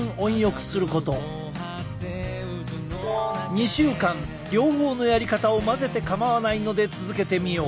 ２週間両方のやりかたを混ぜて構わないので続けてみよう。